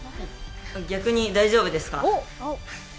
逆に大丈夫ですか？